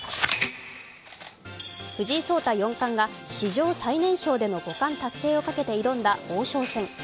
藤井四冠が史上最年少での五冠をかけて挑んだ王将戦。